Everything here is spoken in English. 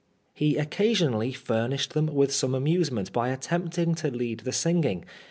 He occasionally furnished them with some amusement by attempting to lead the singing.